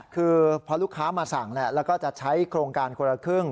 คือพอลูกค้ามาสั่งแล้วก็จะใช้โครงการคนละครึ่ง